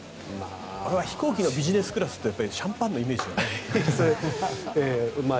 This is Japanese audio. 俺、飛行機のビジネスクラスってシャンパンのイメージがあるから。